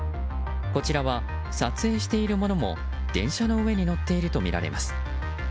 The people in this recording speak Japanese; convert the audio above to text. こちらは撮影している者も電車の上に乗っているとみられます。